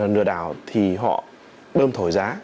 lừa đảo thì họ bơm thổi giá